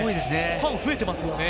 ファン増えてますね。